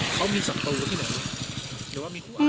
พ่อการอัคษมัสทางด้วยเลยครับ